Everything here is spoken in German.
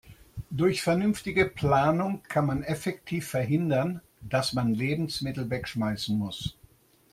Durch vernünftige Planung kann man effektiv verhindern, dass man Lebensmittel wegschmeißen muss.